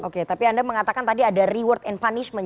oke tapi anda mengatakan tadi ada reward and punishment